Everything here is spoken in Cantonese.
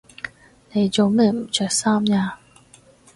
你做咩唔着衫呀？